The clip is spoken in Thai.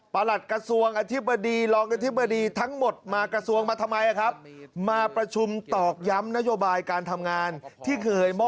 ประหลัดกระทรวงอธิบดีรองอธิบดีทั้งหมดมากระทรวงมาทำไมครับ